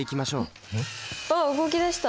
わっ動き出した。